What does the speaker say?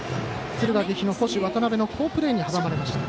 敦賀気比捕手、渡辺の好プレーに阻まれました。